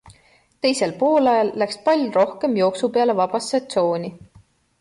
Teisel poolajal läks pall rohkem jooksu peale vabasse tsooni.